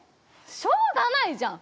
しょうがないじゃん！